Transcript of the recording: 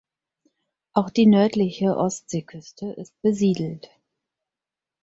Auch die nördliche Ostseeküste ist besiedelt.